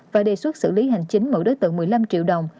và đề xuất xử lý hành chính mỗi đối tượng một mươi năm triệu đồng